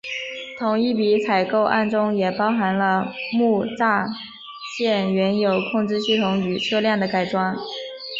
同一笔采购案中也包含了木栅线原有控制系统与车辆的改装。